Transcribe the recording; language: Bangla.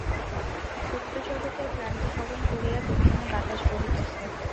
সুপ্ত জগতের ক্লান্তি হরণ করিয়া দক্ষিনে বাতাস বহিতেছে।